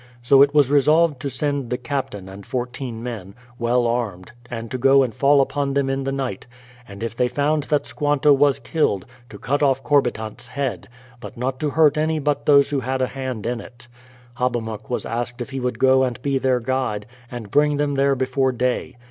So it was resolved to send the Captain and fourteen men, well armed, and to go and fall upon them in the night; and if they found that Squanto was killed, to cut off Corbitant's head, but not to hurt any but those who had a hand in it. Hobbamok was asked if he would go and be their guide, and bring them there before day.